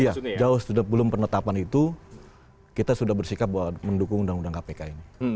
iya jauh sebelum penetapan itu kita sudah bersikap bahwa mendukung undang undang kpk ini